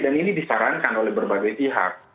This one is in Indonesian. dan ini disarankan oleh berbagai pihak